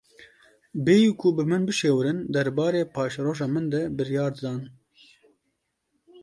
Bêyî ku bi min bişêwirin, derbarê paşeroja min de biryar didan.